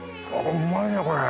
うまいねこれ。